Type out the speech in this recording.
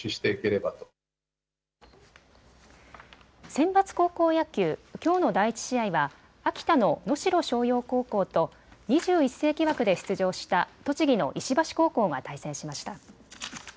センバツ高校野球、きょうの第１試合は秋田の能代松陽高校と２１世紀枠で出場した栃木の石橋高校が対戦しました。